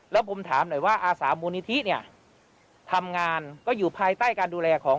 แล้วผมถามหน่อยว่าอาสามูลนิธิเนี่ยทำงานก็อยู่ภายใต้การดูแลของ